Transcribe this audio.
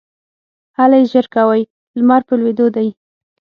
هلئ ژر کوئ ! لمر په لوېدو دی